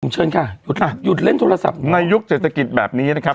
เชิญค่ะหยุดค่ะหยุดเล่นโทรศัพท์ในยุคเศรษฐกิจแบบนี้นะครับ